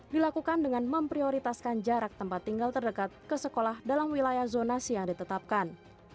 dilakukan dengan memprioritaskan jarak tempat tinggal terdekat ke sekolah dalam wilayah zonasi yang ditetapkan